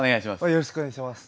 よろしくお願いします。